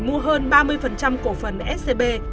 mua hơn ba mươi cổ phần scb